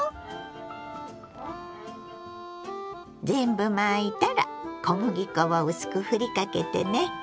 全部巻いたら小麦粉を薄くふりかけてね。